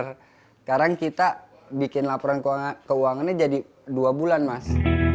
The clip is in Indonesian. sekarang kita bikin laporan keuangannya jadi dua bulan mas